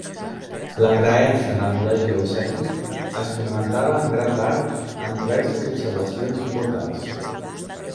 La creença en el model geocèntric es fonamentava en gran part en diverses observacions importants.